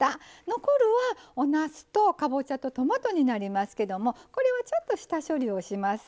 残るはおなすとかぼちゃとトマトになりますけどもこれはちょっと下処理をします。